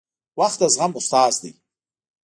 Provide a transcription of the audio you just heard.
• وخت د زغم استاد دی.